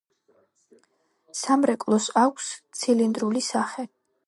სამრეკლოს აქვს ცილინდრული სახე.